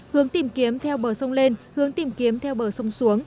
hướng tìm kiếm theo bờ sông lên hướng tìm kiếm theo bờ sông xuống